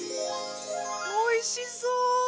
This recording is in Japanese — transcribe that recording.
おいしそう！